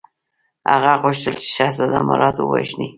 هغه غوښتل چې شهزاده مراد ووژني.